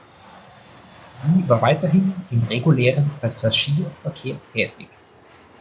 Sie war weiterhin im regulären Passagierverkehr tätig.